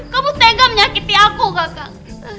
kamu tega menyakiti aku kakak